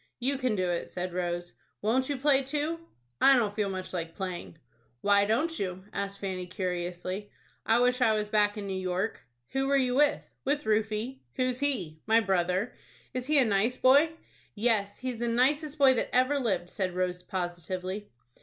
"You can do it," said Rose. "Won't you play too?" "I don't feel much like playing." "Why don't you?" asked Fanny, curiously. "I wish I was back in New York." "Who were you with?" "With Rufie." "Who's he?" "My brother." "Is he a nice boy?" "Yes, he's the nicest boy that ever lived," said Rose, positively.